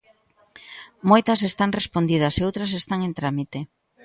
Moitas están respondidas e outras están en trámite.